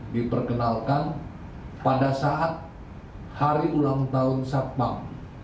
diperkenalkan pada saat hari ulang tahun satpam